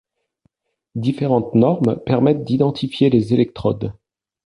Différentes normes permettent d'identifier les électrodes.